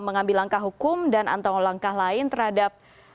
mengambil langkah hukum dan atau langkah lain terhadap